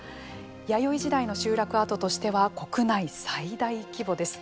弥生時代の集落跡としては国内最大規模です。